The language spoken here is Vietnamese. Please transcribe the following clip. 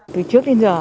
từ trước đến giờ